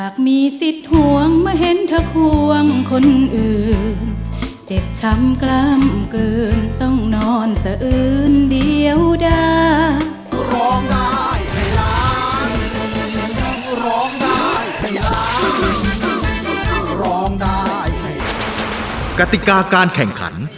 กติกาการแข่งขัน